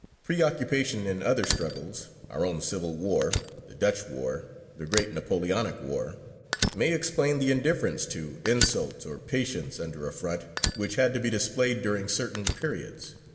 Pre occupation in other struggles our own civil war, the Dutch war, the great Napoleonic war may explain the indifference to insult or patience under affront which had to be displayed during certain periods.